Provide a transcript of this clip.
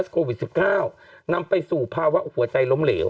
โควิด๑๙นำไปสู่ภาวะหัวใจล้มเหลว